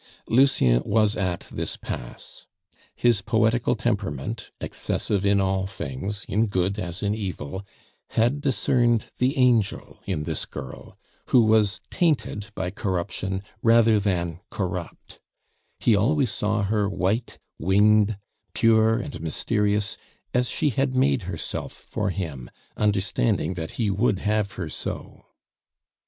Lucien was at this pass. His poetical temperament, excessive in all things, in good as in evil, had discerned the angel in this girl, who was tainted by corruption rather than corrupt; he always saw her white, winged, pure, and mysterious, as she had made herself for him, understanding that he would have her so.